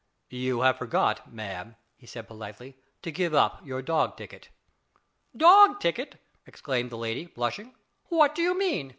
"You have forgot, ma'am," he said politely, "to give up your dog ticket." "Dog ticket!" exclaimed the lady, blushing; "what do you mean?